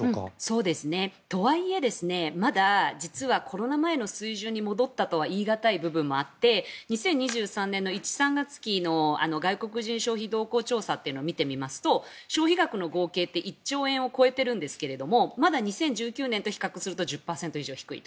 そうですね。とはいえ、まだコロナ前の水準に戻ったとは言い難い部分もあって２０２３年の１−３月期の外国人消費動向調査を見てみますと消費額の合計って１兆円を超えているんですがまだ２０１９年と比較すると１０％以上低い。